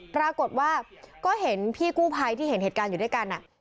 ปรากฏว่าก็เห็นพี่กู้ภัยที่เห็นเหตุการณ์อยู่ด้วยกัน